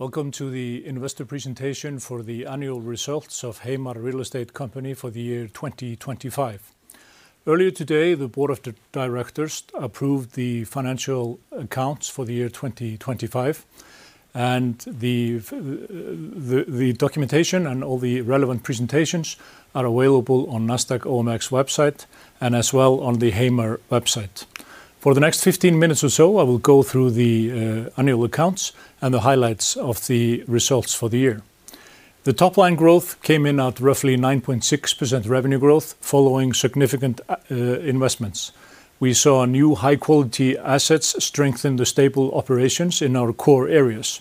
Welcome to the Investor Presentation For The Annual Results of Heimar Real Estate Company For The Year 2025. Earlier today, the Board of the Directors approved the financial accounts for the year 2025, and the documentation and all the relevant presentations are available on Nasdaq OMX website and as well on the Heimar website. For the next 15 minutes or so, I will go through the annual accounts and the highlights of the results for the year. The top-line growth came in at roughly 9.6% revenue growth, following significant investments. We saw new high-quality assets strengthen the stable operations in our core areas.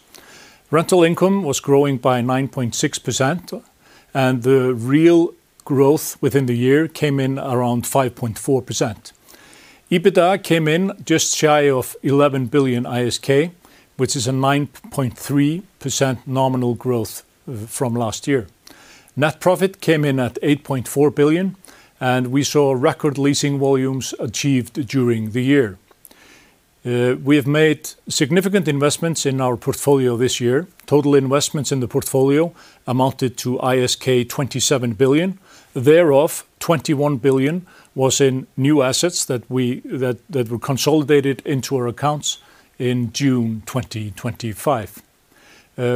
Rental income was growing by 9.6%, and the real growth within the year came in around 5.4%. EBITDA came in just shy of 11 billion ISK, which is a 9.3% nominal growth from last year. Net profit came in at 8.4 billion, and we saw record leasing volumes achieved during the year. We have made significant investments in our portfolio this year. Total investments in the portfolio amounted to ISK 27 billion. Thereof, 21 billion was in new assets that were consolidated into our accounts in June 2025.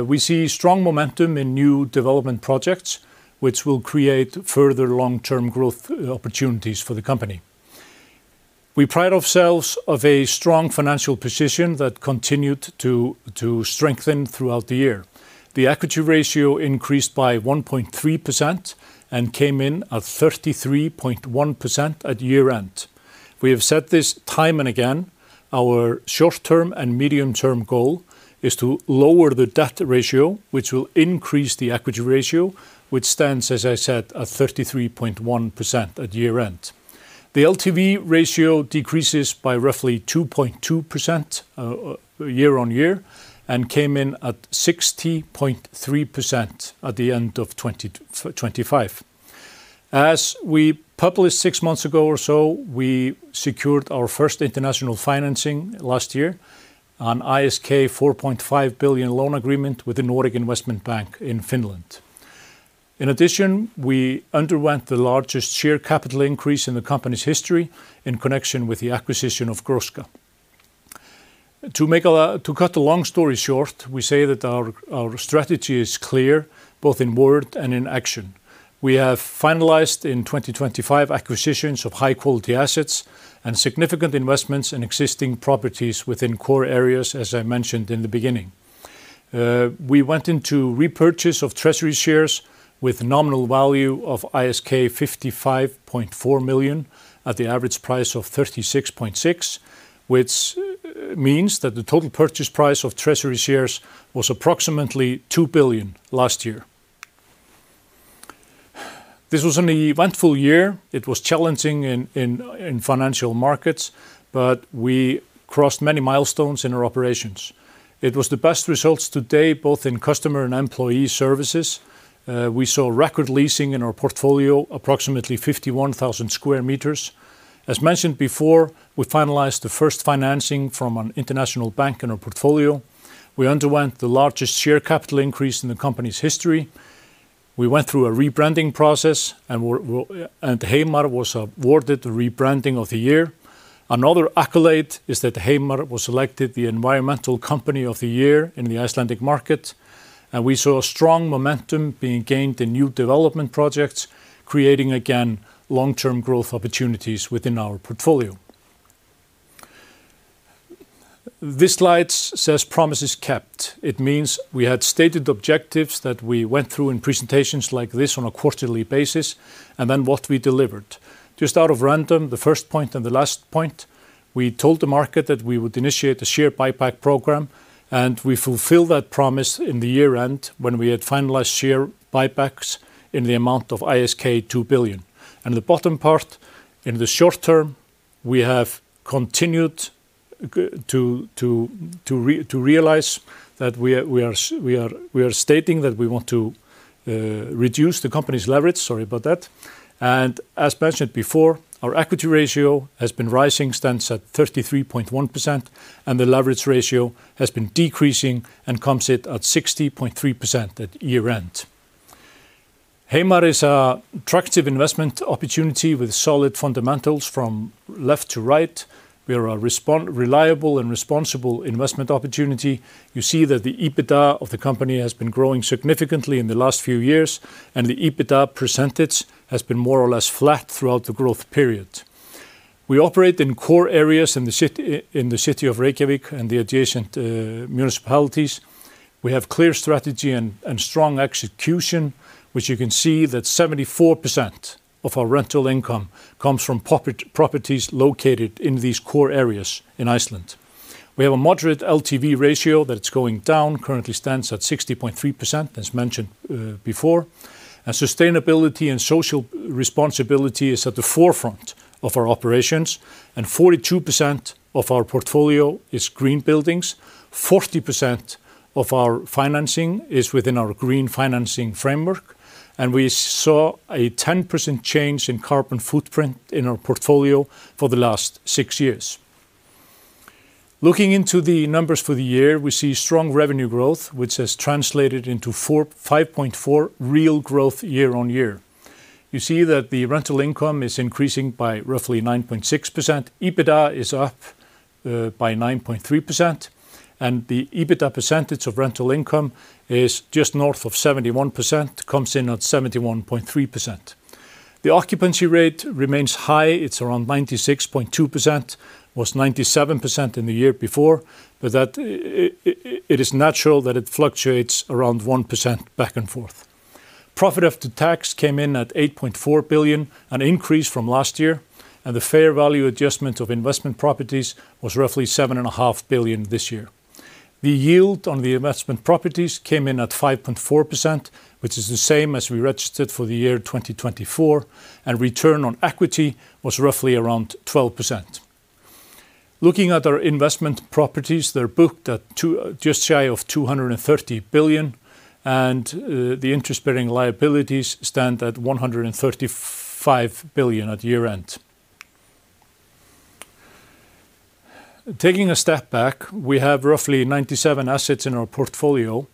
We see strong momentum in new development projects, which will create further long-term growth opportunities for the company. We pride ourselves of a strong financial position that continued to strengthen throughout the year. The equity ratio increased by 1.3% and came in at 33.1% at year-end. We have said this time and again, our short-term and medium-term goal is to lower the debt ratio, which will increase the equity ratio, which stands, as I said, at 33.1% at year-end. The LTV ratio decreases by roughly 2.2%, year-on-year, and came in at 60.3% at the end of 2025. As we published six months ago or so, we secured our first international financing last year on ISK 4.5 billion loan agreement with the Nordic Investment Bank in Finland. In addition, we underwent the largest share capital increase in the company's history in connection with the acquisition of Gróska. To cut a long story short, we say that our strategy is clear, both in word and in action. We have finalized, in 2025, acquisitions of high-quality assets and significant investments in existing properties within core areas, as I mentioned in the beginning. We went into repurchase of treasury shares with nominal value of ISK 55.4 million at the average price of 36.6, which means that the total purchase price of treasury shares was approximately 2 billion last year. This was an eventful year. It was challenging in financial markets, but we crossed many milestones in our operations. It was the best results to date, both in customer and employee services. We saw record leasing in our portfolio, approximately 51,000 sq m. As mentioned before, we finalized the first financing from an international bank in our portfolio. We underwent the largest share capital increase in the company's history. We went through a rebranding process, and we're and Heimar was awarded the Rebranding of the Year. Another accolade is that Heimar was selected the Environmental Company of the Year in the Icelandic market, and we saw a strong momentum being gained in new development projects, creating, again, long-term growth opportunities within our portfolio. This slide says, "Promises kept." It means we had stated objectives that we went through in presentations like this on a quarterly basis, and then what we delivered. Just out of random, the first point and the last point, we told the market that we would initiate a share buyback program, and we fulfilled that promise in the year-end when we had finalized share buybacks in the amount of ISK 2 billion. The bottom part, in the short term, we have continued to realize that we are stating that we want to reduce the company's leverage. Sorry about that. And as mentioned before, our equity ratio has been rising, stands at 33.1%, and the leverage ratio has been decreasing and comes at 60.3% at year-end. Heimar is a attractive investment opportunity with solid fundamentals from left to right. We are a reliable and responsible investment opportunity. You see that the EBITDA of the company has been growing significantly in the last few years, and the EBITDA percentage has been more or less flat throughout the growth period. We operate in core areas in the city of Reykjavík and the adjacent municipalities. We have clear strategy and strong execution, which you can see that 74% of our rental income comes from properties located in these core areas in Iceland. We have a moderate LTV ratio that's going down, currently stands at 60.3%, as mentioned before. Sustainability and social responsibility is at the forefront of our operations, and 42% of our portfolio is green buildings. 40% of our financing is within our Green Financing Framework, and we saw a 10% change in carbon footprint in our portfolio for the last six years. Looking into the numbers for the year, we see strong revenue growth, which has translated into 5.4 real growth year-on-year. You see that the rental income is increasing by roughly 9.6%. EBITDA is up by 9.3%, and the EBITDA percentage of rental income is just north of 71%, comes in at 71.3%. The occupancy rate remains high. It's around 96.2%, was 97% in the year before, but that it is natural that it fluctuates around 1% back and forth. Profit after tax came in at 8.4 billion, an increase from last year, and the fair value adjustment of investment properties was roughly 7.5 billion this year. The yield on the investment properties came in at 5.4%, which is the same as we registered for the year 2024, and return on equity was roughly around 12%. Looking at our investment properties, they're booked at just shy of 230 billion, and the interest-bearing liabilities stand at 135 billion at year-end. Taking a step back, we have roughly 97 assets in our portfolio,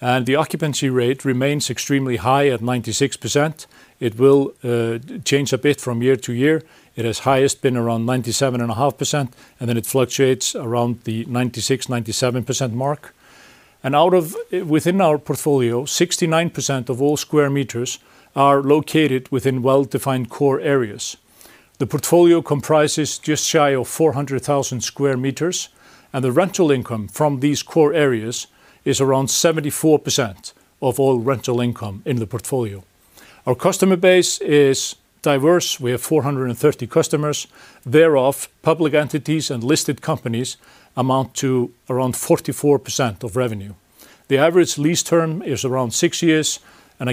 and the occupancy rate remains extremely high at 96%. It will change a bit from year to year. It has highest been around 97.5%, and then it fluctuates around the 96%-97% mark. Within our portfolio, 69% of all square meters are located within well-defined core areas. The portfolio comprises just shy of 400,000 sq m, and the rental income from these core areas is around 74% of all rental income in the portfolio. Our customer base is diverse, we have 430 customers, thereof, public entities and listed companies amount to around 44% of revenue. The average lease term is around 6 years, and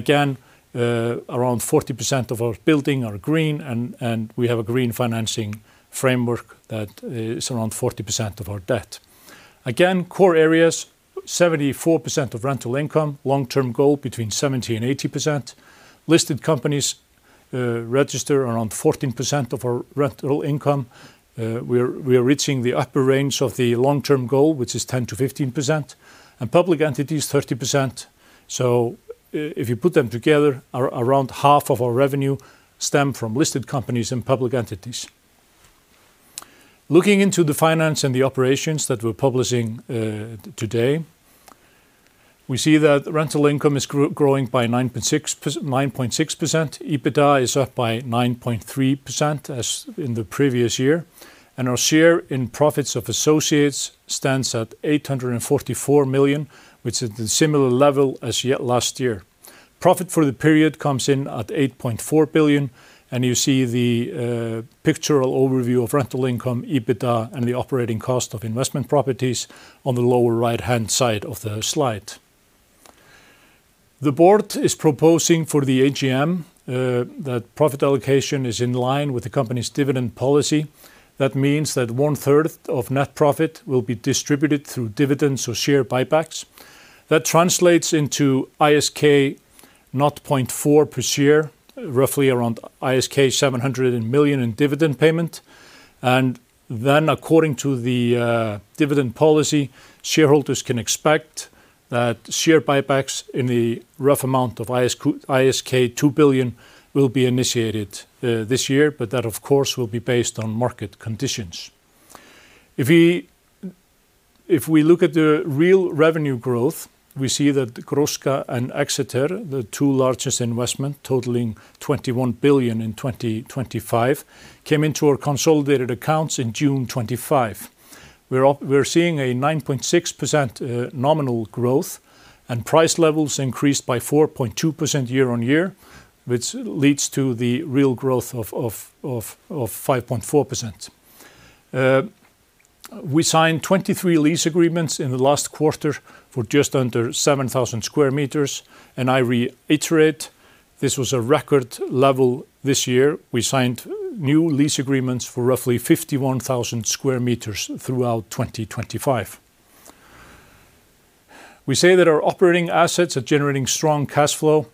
again, around 40% of our building are green and we have a Green Financing Framework that is around 40% of our debt. Again, core areas, 74% of rental income, long-term goal, between 70% and 80%. Listed companies register around 14% of our rental income. We are reaching the upper range of the long-term goal, which is 10%-15%, and public entities, 30%. So if you put them together, around half of our revenue stem from listed companies and public entities. Looking into the finance and the operations that we're publishing today, we see that rental income is growing by 9.6%. EBITDA is up by 9.3%, as in the previous year, and our share in profits of associates stands at 844 million, which is the similar level as yet last year. Profit for the period comes in at 8.4 billion, and you see the pictorial overview of rental income, EBITDA, and the operating cost of investment properties on the lower right-hand side of the slide. The board is proposing for the AGM that profit allocation is in line with the company's dividend policy. That means that one-third of net profit will be distributed through dividends or share buybacks. That translates into ISK 0.4 per share, roughly around ISK 700 million in dividend payment. Then, according to the dividend policy, shareholders can expect that share buybacks in the rough amount of ISK 2 billion will be initiated this year, but that, of course, will be based on market conditions. If we look at the real revenue growth, we see that Gróska and Exeter, the two largest investments, totaling 21 billion in 2025, came into our consolidated accounts in June 2025. We're seeing a 9.6% nominal growth, and price levels increased by 4.2% year-on-year, which leads to the real growth of 5.4%. We signed 23 lease agreements in the last quarter for just under 7,000 square meters, and I reiterate, this was a record level this year. We signed new lease agreements for roughly 51,000 square meters throughout 2025. We say that our operating assets are generating strong cash flow,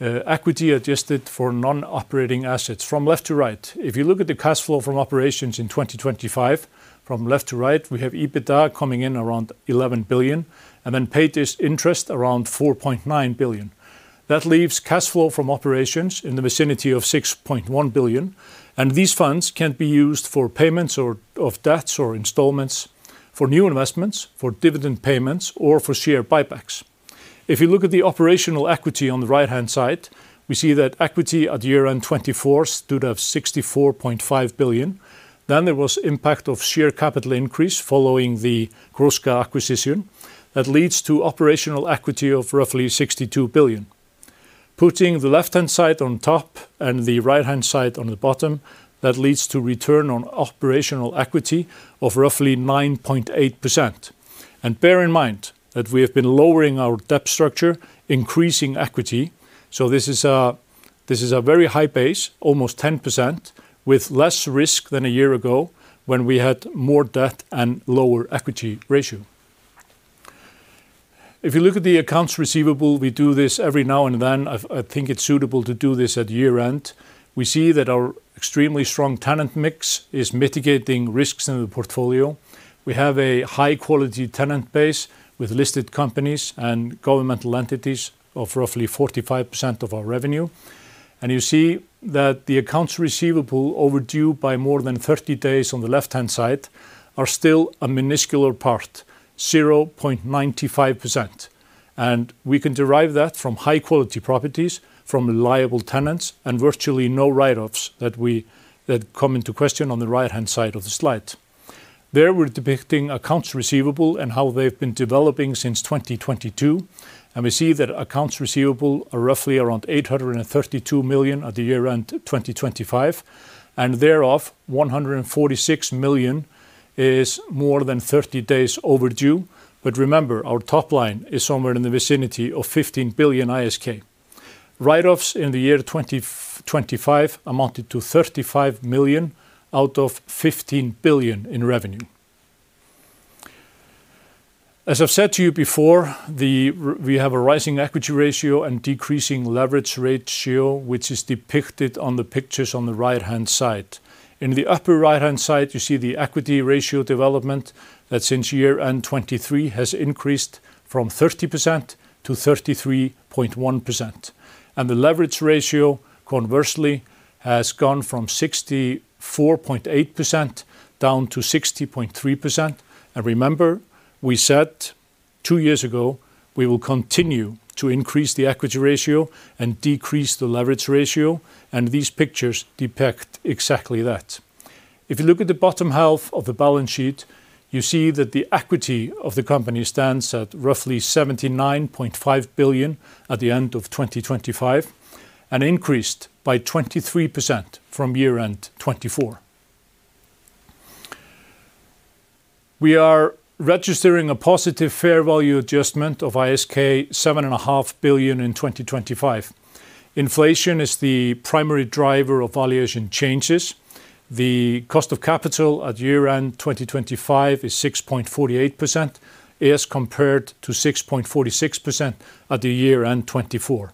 equity adjusted for non-operating assets. From left to right, if you look at the cash flow from operations in 2025, from left to right, we have EBITDA coming in around 11 billion, and then paid this interest around 4.9 billion. That leaves cash flow from operations in the vicinity of 6.1 billion, and these funds can be used for payments or of debts or installments, for new investments, for dividend payments, or for share buybacks. If you look at the operational equity on the right-hand side, we see that equity at year-end 2024 stood at 64.5 billion. Then there was impact of share capital increase following the Gróska acquisition. That leads to operational equity of roughly 62 billion. Putting the left-hand side on top and the right-hand side on the bottom, that leads to return on operational equity of roughly 9.8%. Bear in mind that we have been lowering our debt structure, increasing equity, so this is a, this is a very high base, almost 10%, with less risk than a year ago, when we had more debt and lower equity ratio. If you look at the accounts receivable, we do this every now and then. I, I think it's suitable to do this at year-end. We see that our extremely strong tenant mix is mitigating risks in the portfolio. We have a high-quality tenant base with listed companies and governmental entities of roughly 45% of our revenue. You see that the accounts receivable overdue by more than 30 days on the left-hand side are still a minuscule part, 0.95% and we can derive that from high-quality properties, from reliable tenants, and virtually no write-offs that come into question on the right-hand side of the slide. There, we're depicting accounts receivable and how they've been developing since 2022, and we see that accounts receivable are roughly around 832 million at the year-end 2025, and thereof, 146 million is more than 30 days overdue. But remember, our top line is somewhere in the vicinity of 15 billion ISK. Write-offs in the year 2025 amounted to 35 million out of 15 billion in revenue. As I've said to you before, we have a rising equity ratio and decreasing leverage ratio, which is depicted on the pictures on the right-hand side. In the upper right-hand side, you see the equity ratio development that since year-end 2023 has increased from 30%-33.1%, and the leverage ratio, conversely, has gone from 64.8% down to 60.3%. And remember, we said two years ago, we will continue to increase the equity ratio and decrease the leverage ratio, and these pictures depict exactly that. If you look at the bottom half of the balance sheet, you see that the equity of the company stands at roughly 79.5 billion at the end of 2025 and increased by 23% from year-end 2024. We are registering a positive fair value adjustment of ISK 7.5 billion in 2025. Inflation is the primary driver of valuation changes. The cost of capital at year-end 2025 is 6.48%, as compared to 6.46% at the year-end 2024.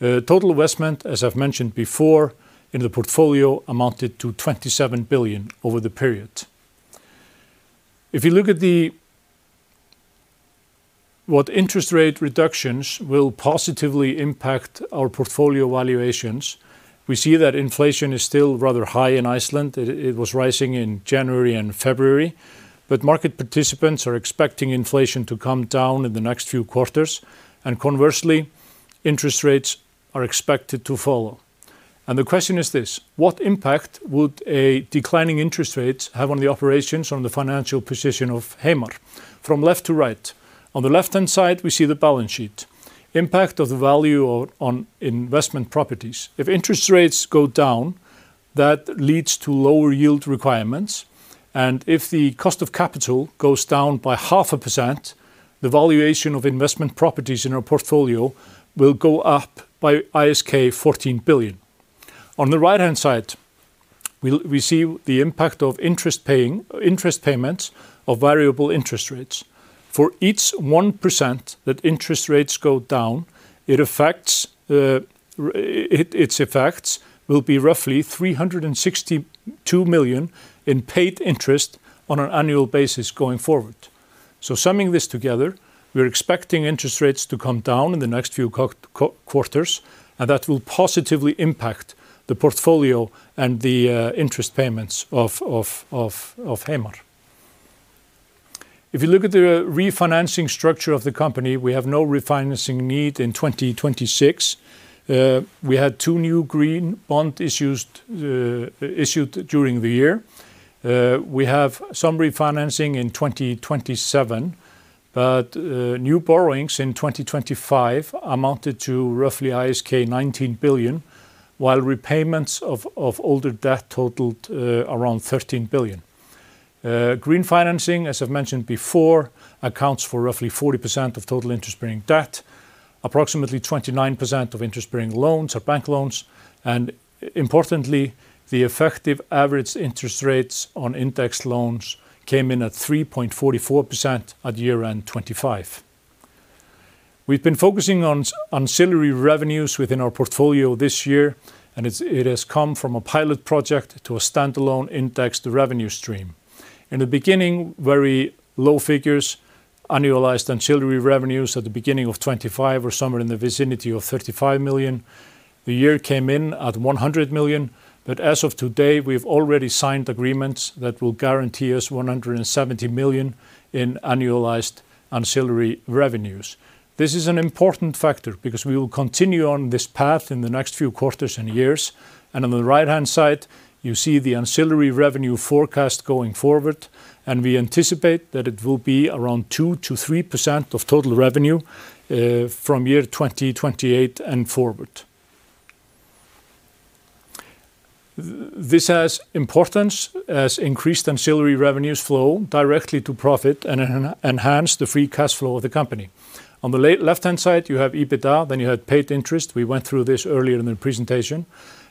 Total investment, as I've mentioned before, in the portfolio, amounted to 27 billion over the period. If you look at the what interest rate reductions will positively impact our portfolio valuations, we see that inflation is still rather high in Iceland. It was rising in January and February, but market participants are expecting inflation to come down in the next few quarters, and conversely, interest rates are expected to follow. The question is this: What impact would a declining interest rate have on the operations, on the financial position of Heimar? From left to right, on the left-hand side, we see the balance sheet. Impact of the value or on investment properties. If interest rates go down, that leads to lower yield requirements, and if the cost of capital goes down by 0.5%, the valuation of investment properties in our portfolio will go up by ISK 14 billion. On the right-hand side, we see the impact of interest paying, interest payments of variable interest rates. For each 1% that interest rates go down, it affects its effects will be roughly 362 million in paid interest on an annual basis going forward. So summing this together, we are expecting interest rates to come down in the next few quarters, and that will positively impact the portfolio and the interest payments of Heimar. If you look at the refinancing structure of the company, we have no refinancing need in 2026. We had two new green bond issues issued during the year. We have some refinancing in 2027, but new borrowings in 2025 amounted to roughly ISK 19 billion, while repayments of older debt totaled around 13 billion. Green Financing, as I've mentioned before, accounts for roughly 40% of total interest-bearing debt, approximately 29% of interest-bearing loans or bank loans, and importantly, the effective average interest rates on indexed loans came in at 3.44% at year-end 2025. We've been focusing on ancillary revenues within our portfolio this year, and it's, it has come from a pilot project to a standalone indexed revenue stream. In the beginning, very low figures, annualized ancillary revenues at the beginning of 2025 were somewhere in the vicinity of 35 million. The year came in at 100 million, but as of today, we've already signed agreements that will guarantee us 170 million in annualized ancillary revenues. This is an important factor because we will continue on this path in the next few quarters and years. On the right-hand side, you see the ancillary revenue forecast going forward, and we anticipate that it will be around 2%-3% of total revenue from year 2028 and forward. This has importance as increased ancillary revenues flow directly to profit and enhance the free cash flow of the company. On the left-hand side, you have EBITDA, then you had paid interest. We went through this earlier in the presentation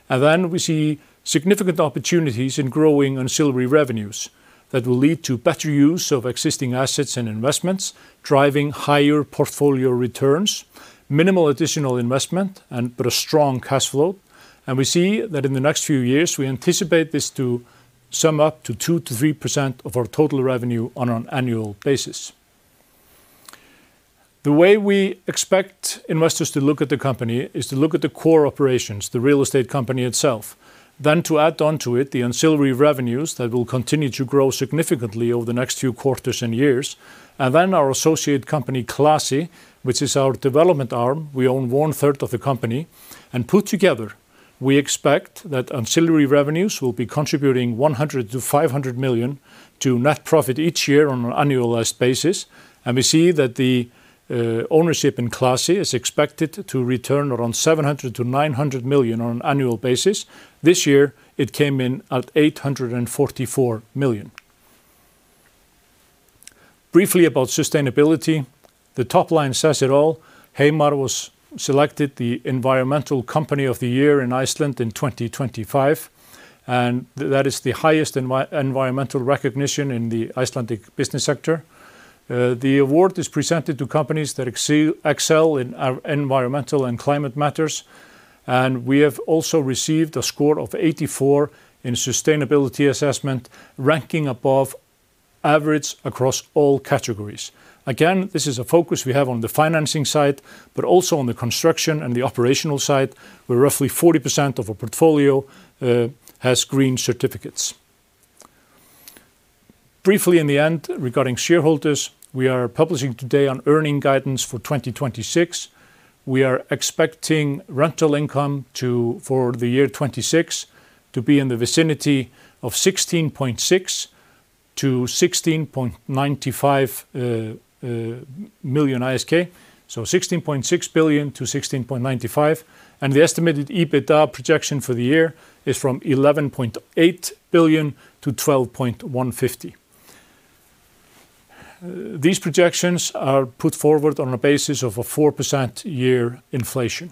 and then we see significant opportunities in growing ancillary revenues that will lead to better use of existing assets and investments, driving higher portfolio returns, minimal additional investment and, but a strong cash flow. We see that in the next few years, we anticipate this to sum up to 2%-3% of our total revenue on an annual basis. The way we expect investors to look at the company is to look at the core operations, the real estate company itself. Then to add on to it, the ancillary revenues that will continue to grow significantly over the next few quarters and years, and then our associate company, Klasi, which is our development arm, we own 1/3 of the company and put together, we expect that ancillary revenues will be contributing 100 million-500 million to net profit each year on an annualized basis, and we see that the, ownership in Klasi is expected to return around 700 million-900 million on an annual basis. This year, it came in at 844 million. Briefly about sustainability, the top line says it all. Heimar was selected the Environmental Company of the Year in Iceland in 2025, and that is the highest environmental recognition in the Icelandic business sector. The award is presented to companies that excel in environmental and climate matters, and we have also received a score of 84 in sustainability assessment, ranking above average across all categories. Again, this is a focus we have on the financing side, but also on the construction and the operational side, where roughly 40% of our portfolio has green certificates. Briefly in the end, regarding shareholders, we are publishing today on earning guidance for 2026. We are expecting rental income to, for the year 2026, to be in the vicinity of 16.6 million-16.95 million ISK. So 16.6 billion-16.95 billion, and the estimated EBITDA projection for the year is from 11.8 billion-12.15 billion. These projections are put forward on a basis of a 4% year inflation.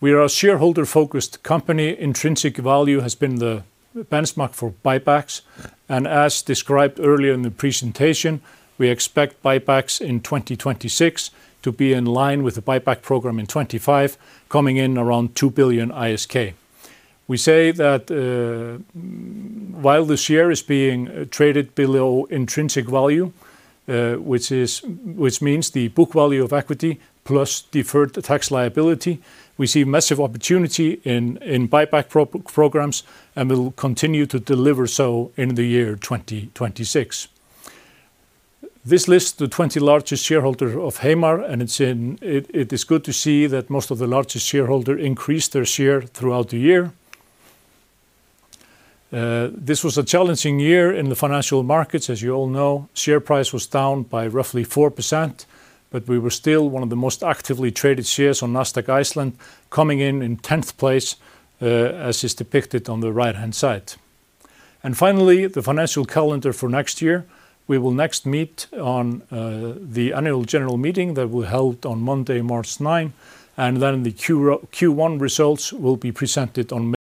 We are a shareholder-focused company. Intrinsic value has been the benchmark for buybacks, and as described earlier in the presentation, we expect buybacks in 2026 to be in line with the buyback program in 2025, coming in around 2 billion ISK. We say that, while the share is being traded below intrinsic value, which means the book value of equity plus deferred tax liability, we see massive opportunity in buyback programs, and we will continue to deliver so in the year 2026. This lists the 20 largest shareholder of Heimar, and it's in... It is good to see that most of the largest shareholder increased their share throughout the year. This was a challenging year in the financial markets, as you all know. Share price was down by roughly 4%, but we were still one of the most actively traded shares on Nasdaq Iceland, coming in tenth place, as is depicted on the right-hand side. Finally, the financial calendar for next year, we will next meet on the annual general meeting that will be held on Monday, March 9, and then the Q1 results will be presented on May-